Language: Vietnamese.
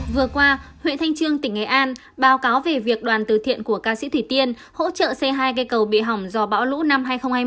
vừa qua huyện thanh trương tỉnh nghệ an báo cáo về việc đoàn từ thiện của ca sĩ thủy tiên hỗ trợ xây hai cây cầu bị hỏng do bão lũ năm hai nghìn hai mươi